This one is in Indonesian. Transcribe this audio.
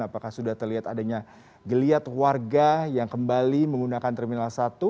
apakah sudah terlihat adanya geliat warga yang kembali menggunakan terminal satu